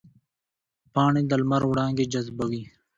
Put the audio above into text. پاڼې د لمر وړانګې جذبوي